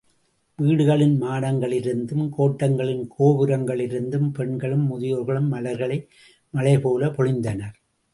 வீடுகளின் மாடங்களிலிருந்தும் கோட்டங்களின் கோபுரங்களிலிருந்தும், பெண்களும் முதியோர்களும் மலர்களை மழைபோலப் பொழிந்தனர்.